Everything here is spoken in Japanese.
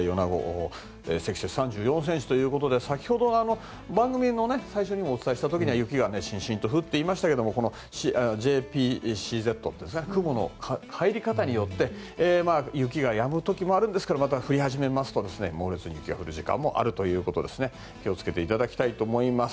積雪３４ｃｍということで先ほど番組の最初にお伝えした時も雪がしんしんと降っていましたがＪＰＣＺ、雲の入り方によって雪がやむ時もありますがまた降り始めますと猛烈に雪が降り始める時間もあるということで気を付けていただきたいと思います。